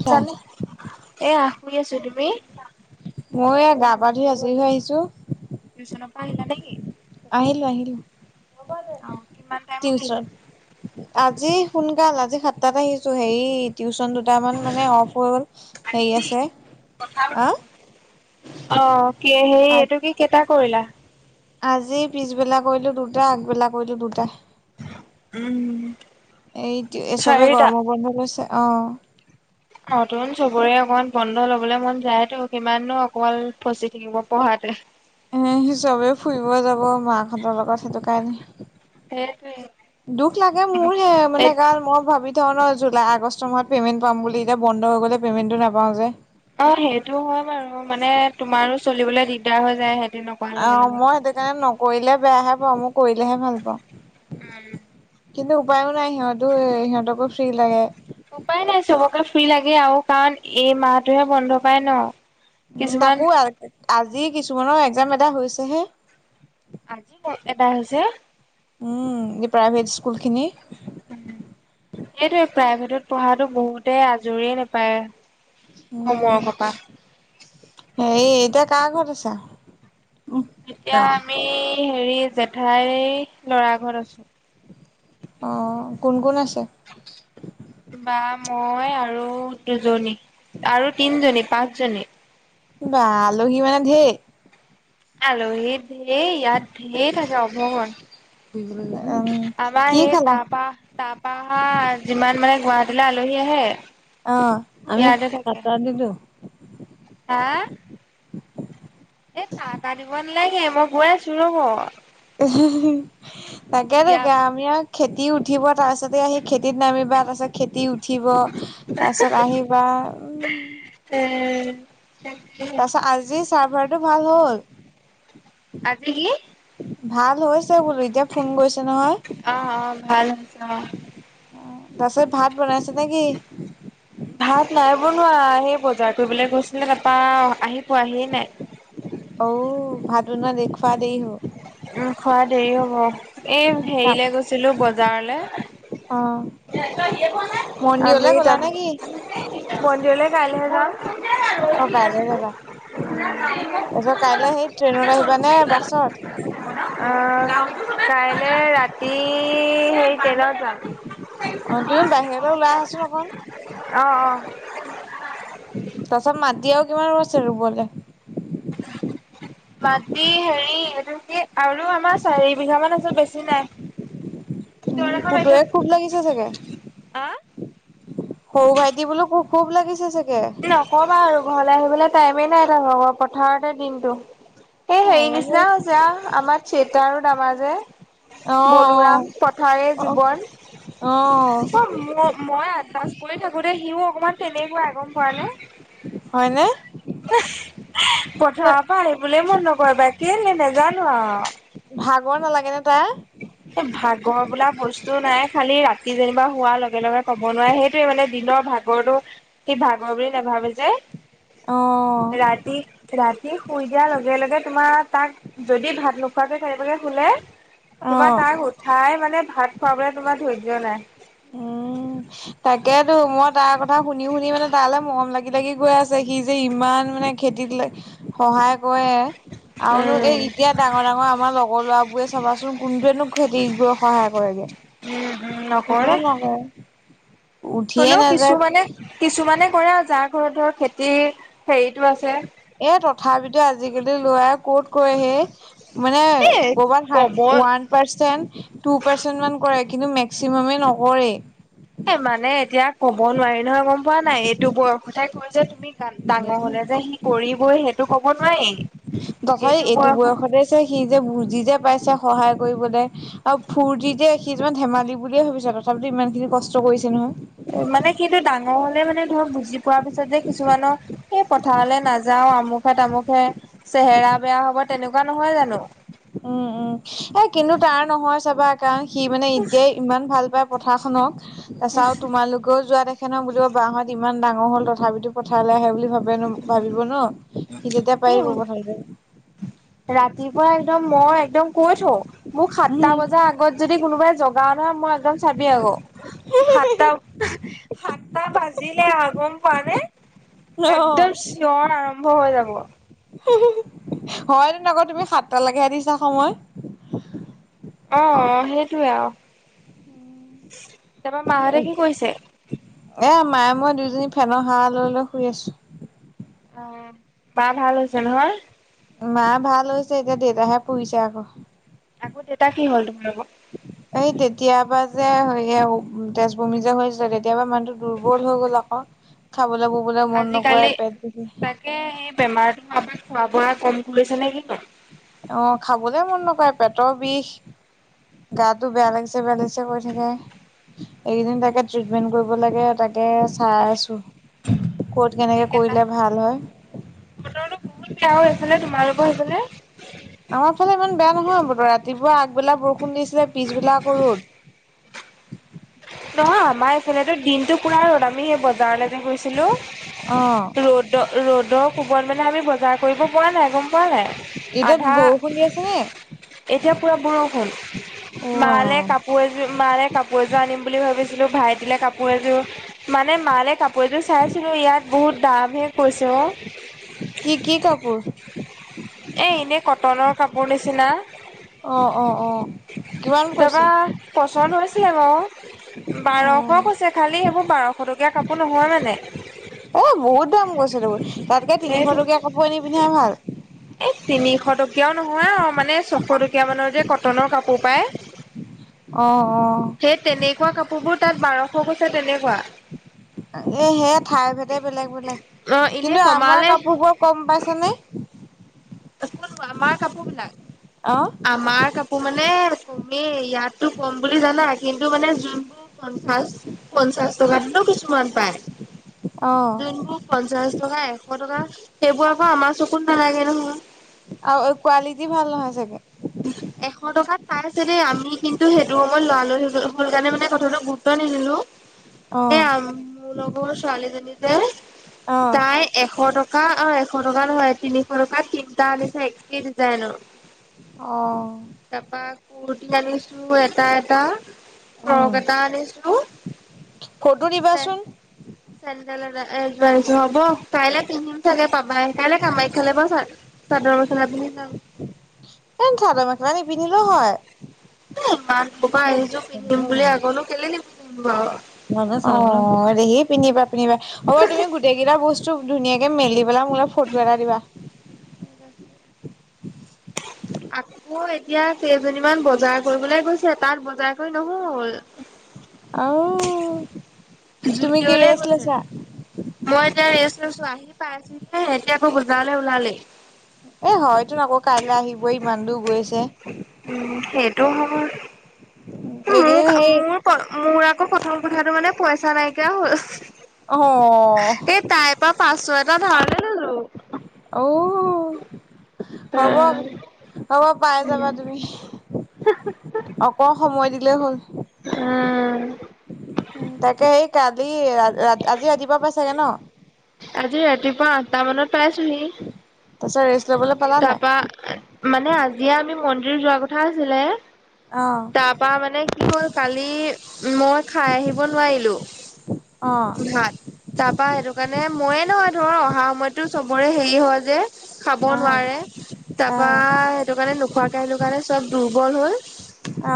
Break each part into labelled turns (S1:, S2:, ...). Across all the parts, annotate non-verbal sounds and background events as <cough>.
S1: আচ্ছা
S2: জনি এয়া শুই আছো তুমি?
S1: মই এ গা পা ধুই আজৰি হৈ আহিছোঁ।
S2: টিউচনৰ পৰা আহিলা নেকি?
S1: আহিলো-আহিলো
S2: অ কিমান টাইমত
S1: টিউচন
S2: আহিলা
S1: আজি সোনকাল আজি সাতটাত আহিছো হেৰি টিউচনটো দুটামান মানে অফ হৈ গ'ল হেৰি আছে আ
S2: অ, কি সে এইটো কি কেইটা কৰিলা?
S1: আজি পিছবেলা কৰিলো দুটা আগবেলা কৰিলো দুটা।
S2: উম
S1: এইটো চবে
S2: চাৰিটা
S1: গৰমৰ বন্ধ গৈছে অ।
S2: নতুন চবৰে অকমান বন্ধ লবলৈ মন যায়তো কিমাননো অকল ফচি থাকিব পঢ়াতে।
S1: এ চবে ফুৰিব যাব মাহঁতৰ লগত সেইটো কাৰণে। দুখ লাগে মোৰহে
S2: সেইটোৱে
S1: মানে গাল মই ভাবি ধৰণৰ জুলাই আগষ্ট মাহত পে'মেণ্ট পাম বুলি এতিয়া বন্ধ হৈ গ'লে পেমেণ্টো নাপাওঁ যে।
S2: অ, সেইটো হয় বাৰু মানে তোমাৰো চলিবলৈ দিগদাৰ হৈ যায় সেদিনক
S1: অ, মই সেইটো কাৰণে নকৰিলেহ বেয়াহে পাওঁ মই কৰিলেহে ভাল পাওঁ।
S2: উম।
S1: কিন্তু উপায়ো নাই সিহঁতো সিহঁতকো ফ্ৰী লাগে।
S2: উপায় নাই চবকে ফ্ৰী লাগে আৰু কাৰণ এই মাহটোহে বন্ধ পায় ন?
S1: উম
S2: কিছুমান
S1: তাকো আজি কিছুমানৰ এক্সাম এটা হৈছেহে।
S2: আজি হে এদাই হৈছে?
S1: উম এই প্ৰাইভেট স্কুল খিনি।
S2: উ সেইটোৱে প্ৰাইভেটত পঢ়াটো বহুতে আজৰিয় নাপায়। অ
S1: উম
S2: মৰ ককা <unintelligible>
S1: হেৰি এতিয়া কাৰ ঘৰত আছা?
S2: এতিয়া আমি হেৰি জেঠাই ল'ৰা ঘৰত আছো।
S1: অঁ কোন কোন আছে?
S2: বা মই আৰু দুজনী আৰু তিনজনী পাঁচজনী।
S1: বা আলহী মানে ঢেৰ?
S2: আ্লহী ঢেৰ ইয়াত ঢেৰথাকে অভগন।
S1: উম
S2: আমাৰ
S1: কি
S2: এই
S1: খালা
S2: তাৰপা তা পা যিমান মানে গুৱাহাটীলৈ আলহী আহে
S1: অ' আমি‌
S2: ইয়াতে থাকে।
S1: কাটাদিতো।
S2: হা'। এ চাহ তাহ দিব নালাগে মই গৈ আছো ৰ'ব।
S1: অ‌' তাকে তাকে
S2: ইয়াত
S1: আমি আ খেতি উঠিব তাৰ পিছতে আহি খেতিত নামিবা তাৰ পাছত খেতি উঠিব, তাৰপিছত আহিবা উম
S2: উম <unintelligible> ত <unintelligible>
S1: তাৰ পাছত আজি চাৰ্ভাৰটো ভাল হ'ল।
S2: আজ কি?
S1: ভাল হৈছে বোলো এতিয়া ফোন গৈছে নহয়।
S2: অ', অ' ভাল হৈছ অ'।
S1: তাপিছত ভাত বনাইছে নে কি?
S2: ভাত নাই বনোৱা, সেই বজাৰ কৰিবলৈ গৈছিলে তাৰপা আহি পোৱাহিয়ে নাই।
S1: অঔ ভাত বনোৱা খোৱা দেৰি হ'ব।
S2: উম খোৱা দেৰি হ'ব, এই হেৰিলে গৈছিলো বজাৰলে
S1: অ' মন্দিৰলৈ
S2: আমি
S1: গ'লা
S2: ত
S1: নে কি?
S2: <unintelligible> মন্দিৰলৈ কাইলৈহে যাম।
S1: অ' কাইলে যাবা, তাৰপিছত কাইলে সেই ট্ৰেইনত আহিবা নে বাছত?
S2: অ' কাইলে ৰাতি হেৰি ট্ৰেনত যাম।
S1: অ' তুমি বাহিৰলৈ ওলাই আহাচোন অকন।
S2: অ', অ'।
S1: তাৰপাছত মাটি আৰু কিমান আছে ৰুবলৈ? <unintelligible>
S2: মাটি হেৰি এইটো কি আৰু আমাৰ চাৰি বিঘা মান আছে বেছি নাই। তোৰ
S1: উম,
S2: এখন
S1: পুতেৰে
S2: মেছেজ
S1: খুৱ লাগিছে চাগে?
S2: আ?
S1: সৰু ভাইটি বোলো খুব লাগিছে চাগে?
S2: নকবা আৰু ঘৰলে আহিবলৈ টাইমে নাই তাৰ পথাৰতে দিনটো। এই হেৰি
S1: আই মোৰ
S2: নিচিনা হৈছে আৰু আমাৰ চেতা দামা যে। বলোৰাম
S1: অ'
S2: পথাৰে
S1: অ' অ'
S2: জীৱন
S1: অ'
S2: চব ম মই আণ্ডাছ কৰি থাকোঁতে সিও অকণমান তেনেকুৱা আ গ'ম পোৱা নে?
S1: হয়নে?
S2: পথাৰৰ পৰা আহিবলৈ মন নকৰে বা কেলেই নোজানো আৰু।
S1: ভাগৰ নালাগে নে তাৰ?
S2: এ ভাগৰ বোলা বস্তু নাই, খালি ৰাতি যেনিবা শোৱাৰ লগে লগে ক'ব নোৱাৰ। সেইটোয়ে মানে দিনৰ ভাগ গৰটো সি ভাগৰ বুলি নাভাবে যে।
S1: অ',
S2: ৰাতি ৰাতি শুই দিয়াৰ লগে লগে তোমাৰ তাক, যদি ভাত নোখোৱাকে কেনেবাকে শুলে তোমাৰ
S1: অ',
S2: তাক উঠাই মানে ভাত খোৱাবলৈ তোমাৰ ধৈৰ্য নাই।
S1: উম। তাকেতো, মই তাৰ কথা শুনি শুনি মানে তালৈ মৰম লাগি লাগি গৈ আছে। সি যে ইমান মানে খেতিত ল সহায় কৰে আৰুনো এই
S2: উম
S1: এতিয়া ডাঙৰ ডাঙৰ আমাৰ লগৰ ল'ৰাবোৰে চাবাচোন কোনটোৱেনো খেতিব সহায় কৰেগে।
S2: উম হুম নকৰে।
S1: হয়।
S2: হ'লেও কিছুমানে কিছুমানে কৰে আৰু যাৰ ঘৰত ধৰ খেতিৰ হেৰিতো আছে।
S1: এ তথাপিতো আজিকালি ল'ৰাই ক'ত কৰে হেই। মানে
S2: এ
S1: ক'ৰবাত
S2: ক'ব
S1: ওৱান ৰ্পাচেণ্ট টু ৰ্পাচেণ্ট মান কৰে, কিন্তু মেক্সিমামে নকৰেই।
S2: এ মানে এতিয়া ক'ব নোৱাৰি নহয়, গ'ম পোৱা নাই এইটো বয়সতোই কয় যে তুমি ডাঙৰ
S1: দিয়াচোন
S2: হ'লে যে সি কৰিবই সেইটো ক'ব নোৱাৰি।
S1: দখয়ি এইটো বয়সতে যে সি যে বুজি যে পাইছে সহায় কৰিবলৈ। আৰু ফূুৰ্তিতে সি যেনিবা ধেমালি বুলিয়ে ভাবিছে তথাপিতো ইমান খিনি কষ্ট কৰিছে নহয়।
S2: মানে সেটো ডাঙৰ হ'লে মানে ধৰক বুজি পোৱাৰ পিছত যে কিছুমানৰ এই পথাৰলৈ নাযাও আমুকহে তামুকহে চেহেৰা বেয়া হ'ব, তেনেকুৱা নহয় জানো।
S1: উম, উম এ কিন্তু তাৰ নহয় চাবা। কাৰণ সি মানে এতিয়াই ইমান ভাল পায় পথাৰ খনক, তাৰ পাছ আৰু তোমালোকেও যোৱা দেখ ক বুলিব বা হ'ত ইমান ডাঙৰ হ'ল তথাপিতো পথাৰলৈ আহে বুলি ভাব ভ নো ভাবিব ন সি তেতিয়া পাৰিব।
S2: উম
S1: প্ৰথতে
S2: ৰাতিপুৱা একদম মই একদম কৈ থওঁ মোক সাতটা
S1: উম
S2: বজা আগ গত যদি কোনোবাই জগাৱ নহয় মই একদম চাবি আকৌ। সাতটা সাতটা বাজিলে আৰু গ'ম পাৱ নে।
S1: ৰ <unintelligible>
S2: একদম চঞৰ আৰম্ভ হৈ যাব।
S1: হয় তেনে আকৌ তুমি সাতট লৈকেহে দিছা সময়।
S2: অ, অ' সেইটোৱে আৰু, তাৰপৰা মাহঁতে কি কৰিছে?
S1: এ মায়ে মইয়ে দুইজনী ফেনৰ হাৱা লৈ লৈ শুই আছো।
S2: মাৰ ভাল হৈছে নহয়?
S1: মা ভাল হৈছে এতিয়া দেউতাহে পৰিছে আকৌ।
S2: আকৌ দেউতা কি হ'ল তোমালোকৰ?
S1: উ <unintelligible> এই তেতিয়াৰ পৰা যে সেই তেজবমি যে হৈছিল, তেতিয়াৰপা মানুহটো দুৰ্বল হৈ গ'ল আকৌ। খাবলৈ ববলৈ মন নকৰা
S2: আজিকালি
S1: পেটটো বিষ।
S2: তাকে সেই বেমাৰটো হোৱাৰ পৰা খোৱা বোৱা ক'ম কৰিছে নে কি কয়।
S1: অ' খাবলে মন নকৰে পেটৰ বিষ গাতো বেয়া লাগিছে বেয়া লাগিছে কৰি থাকে। এইকেইদিন তাকে ট্ৰিটমেন্ট কৰিব লাগে তাকে চাই আছো। ক'ত কেনেকে কৰিলে ভাল হয়।
S2: বতৰটো বহুত বেয়া হৈ আছেনে তোমালোকৰ সেইফালে?
S1: আমাৰ ফালে ইমান বেয়া নহয় বতৰ ৰাতিপুৱা আগবেলা বৰষুণ দিছিলে, পিছবেলা আক ৰ'দ।
S2: নহয় আমাৰ এইফালেটো দিনটো পোৰা ৰ'দ আমি সেই বজাৰলে যে গৈছিলো।
S1: অ
S2: ৰ'দ ৰ'দৰ কোবত মানে আমি বজাৰ কৰিব পৰা নাই গম পোৱা নাই।
S1: এতিয়া
S2: আধা
S1: বৰষুণ দি আছে নে
S2: এতিয়া পুৰা বৰষুণ
S1: অ আই
S2: মালে কাপোৰ কাপোৰ এযোৰ মালে কাপোৰ এযোৰ আনিম বুলি ভাবিছিলো, ভাইটিলে কাপোৰ এযোৰ মানে মালে কাপোৰ এযোৰ চাইছিলো ইয়াত বহুত দাম হে কৈছে অ।
S1: কি কি কাপোৰ?
S2: এ ইনেই কটনৰ কাপোৰ নিচিনা।
S1: অ অ অ কিমান কৈছে?
S2: পছন্দ হৈছিলে বাও।
S1: অ
S2: বাৰশ কৈছে খালী সেইবোৰ বাৰশ টকীয়া কাপোৰ নহয় মানে।
S1: অ বহুত দাম কৈছে দেখোন তাতকে তিনিশ টকীয়া কাপোৰ আনি পিন্ধাই ভাল।
S2: এ তিনিশ টকীয়াও নহয় আও মানে ছশ টকীয়া মানৰ যে কটনৰ কাপোৰ পায়।
S1: অ অ।
S2: সেই তেনেকুৱা কাপোৰবোৰ তাত বাৰশ কৈছে তেনেকুৱা।
S1: এ সেইয়া ঠাই ভেদে বেলেগ বেলেগ।
S2: অ এনে
S1: কিন্তু আমাৰ
S2: কমালে
S1: কাপোৰবোৰ কম পাইছা নে?
S2: কোনবোৰ আমাৰ কাপোৰবিলাক?
S1: অ।
S2: আমাৰ কাপোৰ মানে কমেই ইয়াতটো কম বুলি জানা কিন্তু মানে যোনবোৰ পঞ্চাশ পঞ্চাশ টকাটো কিছুমান পায়।
S1: অ
S2: যোনবোৰ পঞ্চাশ টকা, এশ টকা সেইবোৰ আকৌ আমাৰ চকুত নেলাগে নহয়।
S1: আৰু কোৱালিটি ভাল নহয় চাগে?
S2: <unintelligible> এশ টকাত পাই আছে দেই, আমি কিন্তু সেইটো সময়ত লৰা-লৰি হ'ল কাৰণে মানে কথাটো গুৰুত্ব নিদিলো।
S1: অ
S2: এ মোৰ লগৰ ছোৱালীজনী যে
S1: অ
S2: তাই এশ টকা অ এশ টকা নহয় তিনিশ টকাত তিনিটা আনিছে একেই ডিজাইনৰ।
S1: অ।
S2: তাৰপা কুৰ্তি আনিছো এটা এটা,
S1: উম
S2: ফ্ৰগ এটা আনিছো,
S1: ফটো
S2: চে
S1: দিবাচোন <unintelligible>
S2: চেন্দেল এযোৰ আনিছো হ'ব কাইলে পিন্ধিম চাগে পাবাই কাইলে কামাখ্যালে বাও চাদৰ-মেখেলা পিন্ধি যাম।
S1: <unintelligible> চাদৰ-মেখেলা নিপিন্ধিলেও হয়।
S2: এ ইমান দূৰৰ পৰা আহিছো পিন্ধিম বুলি আকনো কেলে নিপিন্ধিম বাও।
S1: উৱ দেহি পিন্ধিবা পিন্ধিবা। হ'ব তুমি গোটেই কেইটা বস্তু ধুনীয়াকে মেলি পেলাই মোলে ফটো এটা দিবা।
S2: ঠিক আছে।
S1: <unintelligible>
S2: আক আক এতিয়া কেইজনীমান বজাৰ কৰিবলে গৈছে তাত বজাৰ কৰি নহ'ল।
S1: আও। তুমি কি
S2: জুডিঅ'লে
S1: ৰেষ্ট
S2: গৈছে।
S1: লৈছা?
S2: মই এতিয়া ৰেষ্ট লৈছো আহি পাইছোহি হে এতিয়া আকৌ বজাৰলে ওলালেই।
S1: এ, হয়তো আকৌ কাইলৈ আহিবই ইমান দূৰ গৈছে।
S2: উম, সেইটোও হয়। মোৰ
S1: এইগদিন সেই
S2: মোৰ মোৰ আকৌ প্ৰথম কথাটো মানে পইচা নাইকিয়া হ'ল।
S1: অ,
S2: এ, তাই পৰা পাচশ এটা ধৰলে
S1: উ, হ'ব হ'ব, পাই যাবা তুমি। অক, সময় দিলেই হ'ল। তাকে সেই কালি, আজি ৰাতিপুৱা পাই চাগে ন?
S2: আজি ৰাতিপুৱা আঠটা মানত পাইছোঁহি,
S1: তাৰপিছত ৰেষ্ট ল'বলৈ পালা নাই?
S2: তাৰপৰা মানে আজি আমি মন্দিৰ যোৱাৰ কথা আছিলে।
S1: অ,
S2: তাৰ মানে কি হ'ল, কালি মই খাই আহিব নোৱাৰিলো,
S1: অ
S2: ভাত তাপা সেইটো কাৰণে মানে ময়ে, নহয় ধৰ অহা সময়ততো চবৰে হেৰি হয় যে। খাব
S1: আহ
S2: নোৱাৰে তাপা
S1: আহ
S2: সেইটো কাৰণে নোখোৱাকে কাৰণে চব দুৰ্বল হ'ল।
S1: অ,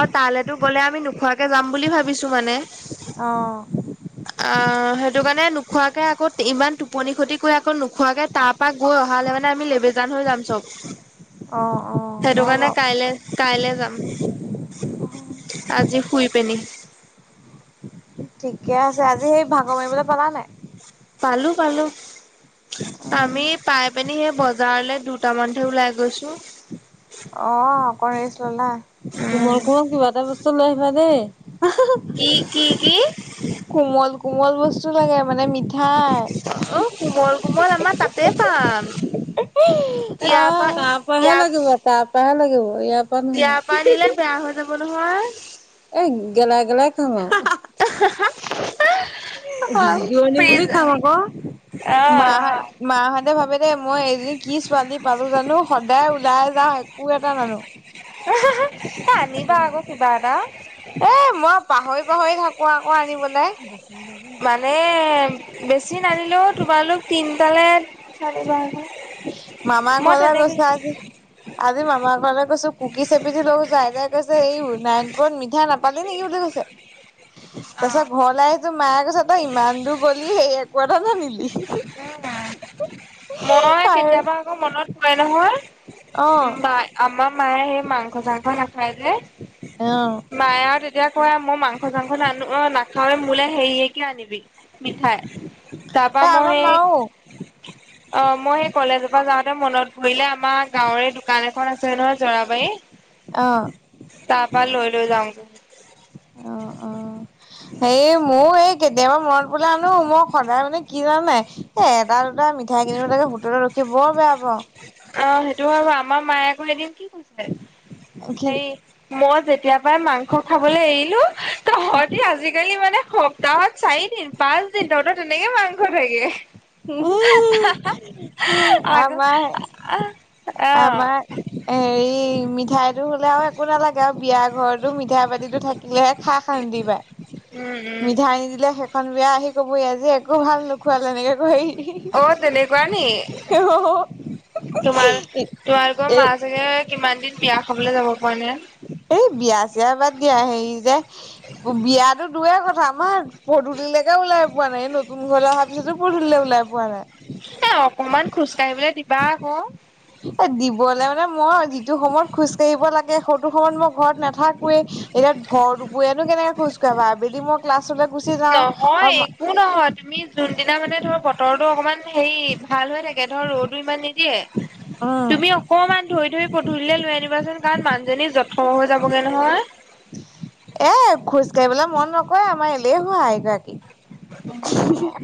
S2: আৰু তালে তো গ'লে আমি নোখোৱাকে যাম বুলি ভাবিছো মানে।
S1: অ,
S2: অ, সেইটো কাৰণে নোখোৱাকে আকৌ ইমান টোপনি খতি কৰে আকৌ নোখোৱাকে তাৰপ পৰা গৈ অহালে মানে আমি লেবেজান হৈ যাম চ'ব।
S1: অ, অ,
S2: সেইটো
S1: হয়
S2: কাৰণে
S1: বাৰু।
S2: কাইলে কাইলে যাম, আজি শুই পেনি।
S1: ঠিকে আছে, আজি সেই ভাগৰ মাৰিবলৈ পলা নাই।
S2: পালো পালো।
S1: নাই?
S2: আমি পাই পিনি, সেই বজাৰলে দুটামানহে ওলাই গৈছো।
S1: অ, অকন ৰেচ ল'লা, কোমল,
S2: উম।
S1: কোমল কিবা এটা বস্তু লৈ আহিবা দেই
S2: কি কি কি
S1: <unintelligible> কোমল কোমল বস্তু লাগে, মানে মিঠা
S2: অ, কোমল-কোমল আমাৰ তাতে পাম।
S1: আহ অ,
S2: ইয়াৰ পৰা
S1: তাৰ পৰাহে
S2: ইয়াৰ
S1: লাগিব তাৰ পৰাহে লাগিব, ইয়াৰ পৰা
S2: ইয়াৰ
S1: নহয়
S2: পৰা নিলে
S1: <unintelligible>
S2: বেয়া হৈ যাব নহয়
S1: এ, গেলা গেলা ঘামে <unintelligible>
S2: <unintelligible>
S1: জোৰণী বুলি
S2: ফ্ৰিজ
S1: খাম আকৌ,
S2: অ
S1: মাহাত মাহঁতে ভাবে দে, মই এজনী কি ছোৱালী পালো, জানো সদায় ওলাই যাও একো এটা নানো।
S2: আনিবা আকৌ কিবা এটা।
S1: এ, মই পাহৰি- পাহৰি থাকো আকৌ আনিবলৈ।
S2: মানে বেছি নানিলেও তোমালোক তিনটালৈ
S1: মামা
S2: মই
S1: ঘৰলৈ
S2: তেনেকে
S1: গৈছা আজি। আজি মামা ঘৰলে গৈছো কুকিচ‌ এপিচ লগৈ কৈছো আইতাই কৈছে এই নাৰায়নপুৰত মিঠাই নাপ পালি, নেকি? বুলি কৈছে। তাৰ
S2: অ
S1: পিছত ঘৰলৈ আহিছো মায়ে কৈছে তই ইমান দূৰ গলি সেই, একো এটা নানিলি।
S2: মই কেতিয়াবা আকৌ মনত পৰে নহয়,
S1: অ
S2: বাই আমাৰ মায়ে, সেই মাংস-চাংস নাখাই যে।
S1: অ।
S2: মায়ে আও তেতিয়া কয় আও মই মাংস-চাংস নানো অ নাখাওয়ে মোলে হেৰিয়েকে আনিবি মিঠাই তাৰপা
S1: এ
S2: মই
S1: আমাৰ
S2: সেই
S1: মাও
S2: অ মই সেই কলেজৰ পা যাওঁতে মনত পৰিলে আমাৰ গাঁৱৰে এই দোকান এখন আছে নহয়
S1: অ
S2: জৰাবাৰী তাৰপা লৈ লৈ যাওগে।
S1: অ অ। হেৰি মোৰ এই কেতিয়াবা মনত পৰিলে আনো মই সদায় মানে কি জানা নাই এ এটা, দুটা মিঠাই কিনিবলে গৈ হোটেলত ৰখি বৰ বেয়া পাওঁ।
S2: অ সেইটো হয় বাৰু আমাৰ মায়ে আকৌ এদিন কি কৈছে
S1: কি
S2: হেৰি মই যেতিয়া পৰাই মাংস খাবলে এৰিলো তহঁতি আজিকালি মানে সপ্তা সপ্তাহত চাৰিদিন, পাঁচদিন তহঁতৰ তেনেকে মাংস থাকে।
S1: আমাৰ আমাৰ
S2: অ।
S1: হেৰি মিঠাইটো হ'লে আৰু একো একো নালাগে আৰু বিয়া ঘৰটো মিঠাই বাতিটো থাকিলেহে খাই শান্তি পায়।
S2: উম উম
S1: মিঠাই নিদিলে সেইখন বিয়া আহি ক'বহি আজি একো ভাল নোখোৱালে এনেকে কৈহি।
S2: অ তেনেকুৱা নি? তোমাৰ
S1: এ
S2: তোমালোকৰ
S1: এ
S2: মা চাগে কিমান দিন বিয়া খাবলে যাব পৰা নাই।
S1: এই বিয়া-চিয়া বাদ দিয়া হেৰি যে বিয়াটো দূৰয়ে কথা আমাৰ পধূলিলেকে ওলাই পোৱা নাই, এই নতুন ঘৰলে অহাৰ পিছতো পধূলিলে ওলাই পোৱা নাই।
S2: এ অকমান খোজ কাঢ়িবলে দিবা আকৌ।
S1: এ দিবলে মানে মই যিটো সময়ত খোজ কাঢ়িব লাগে সৌটো সময়ত মই ঘৰত নাথাকোৱেই। এতিয়া ভৰদুপৰিয়াত নো কেনেকে খোজ কাঢ়িব আবেলি মোৰ ক্লাছলে
S2: নহয় একো একো নহয় তুমি যোনদিনা মানে ধৰ বতৰটো অকমান হেৰি ভাল হৈ থাকে ধৰ ৰ'দো ইমান নিদিয়ে
S1: অ।
S2: তুমি অকমান ধৰি ধৰি পধূলিলে লৈ আনিবাচোন কাৰণ মানুজনী যথৰ হৈ যাবগে নহয়।
S1: এ খোজ কাঢ়িবলে মন নকৰে আমাৰ এলেহুৱা এইগৰাকী।
S2: উম।
S1: <unintelligible>